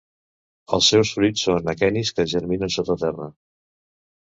Els seus fruits són aquenis que germinen sota terra.